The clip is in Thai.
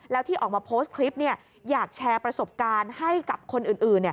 แล้วที่ออกมาโพสต์คลิปอยากแชร์ประสบการณ์ให้กับคนอื่น